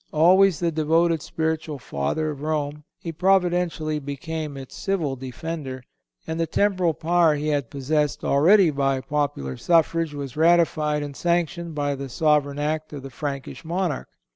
Always the devoted spiritual Father of Rome, he providentially became its civil defender; and the temporal power he had possessed already by popular suffrage was ratified and sanctioned by the sovereign act of the Frankish monarch.